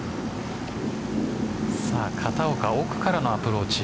片岡、奥からのアプローチ。